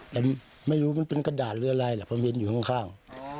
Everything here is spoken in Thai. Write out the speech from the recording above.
แต่ไม่รู้เป็นกระดาษหรืออะไรละผมเห็นอยู่ข้าง